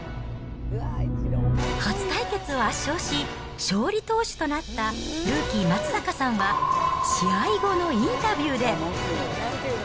初対決を圧勝し、勝利投手となったルーキー、松坂さんは試合後のインタビューで。